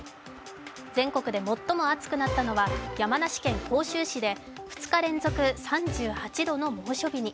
全国で最も暑くなったのは山梨県甲州市で２日連続３８度の猛暑日に。